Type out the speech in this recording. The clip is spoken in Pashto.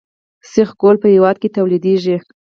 سیخ ګول په هیواد کې تولیدیږي